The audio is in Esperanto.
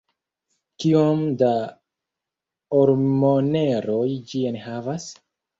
kiom da ormoneroj ĝi enhavas?